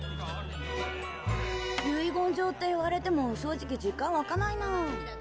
「遺言状」って言われても正直実感わかないな。